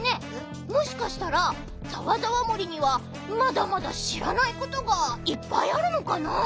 もしかしたらざわざわ森にはまだまだしらないことがいっぱいあるのかな？